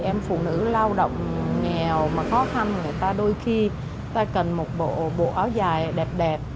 em phụ nữ lao động nghèo mà khó khăn người ta đôi khi ta cần một bộ áo dài đẹp đẹp